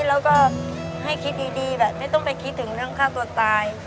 แล้วก็ให้คิดดีแบบไม่ต้องไปคิดถึงเรื่องฆ่าตัวตาย